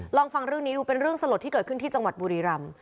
ลองฟังเรื่องนี้ดูเป็นเรื่องสลดที่เกิดขึ้นที่จังหวัดบุรีรำ